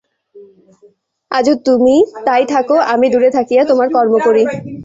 আজও তুমি তাই থাকো–আমি দূরে থাকিয়া তোমার কর্ম করি।